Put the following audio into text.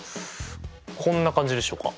こんな感じでしょうか。